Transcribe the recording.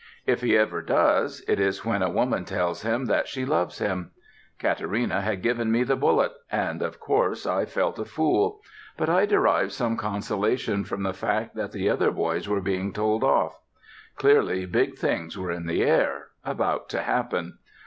If he ever does, it is when a woman tells him that she loves him. Katarina had given me the bullet, and, of course, I felt a fool; but I derived some consolation from the fact that the other boys were being told off. Clearly, big things were in the air, about to happen.